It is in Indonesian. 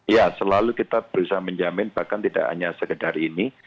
ya selalu kita berusaha menjamin bahkan tidak hanya sekedar ini